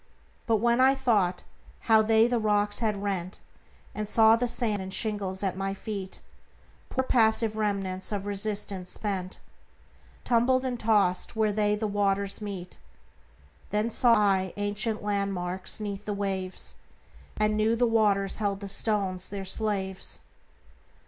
But when I thought how they the rocks had rent, And saw the sand and shingles at my feet (Poor passive remnants of resistance spent) Tumbled and tossed where they the waters meet, Then saw I ancient landmarks 'neath the waves, And knew the waters held the stones their slaves.